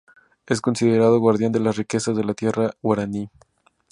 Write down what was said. Es considerado guardián de las riquezas de la tierra guaraní.